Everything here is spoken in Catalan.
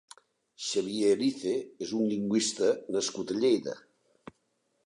Xabier Erize és un lingüista nascut a Lleida.